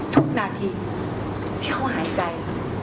ทุกนาทีที่เขาหายใจ